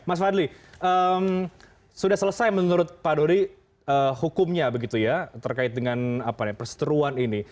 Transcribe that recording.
mas fadli sudah selesai menurut pak dodi hukumnya begitu ya terkait dengan perseteruan ini